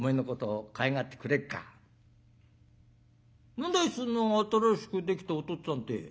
「何だいその新しくできたおとっつぁんって？」。